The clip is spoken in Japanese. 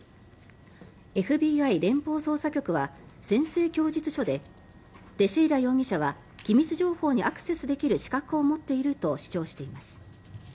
ＦＢＩ・連邦捜査局は宣誓供述書でテシェイラ容疑者は機密情報にアクセスできる資格を持っていると主張しています。